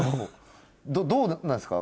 どうなんですか？